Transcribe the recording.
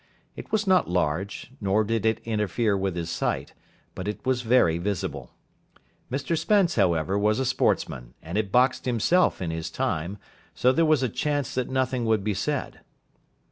It was not large, nor did it interfere with his sight, but it was very visible. Mr Spence, however, was a sportsman, and had boxed himself in his time, so there was a chance that nothing would be said.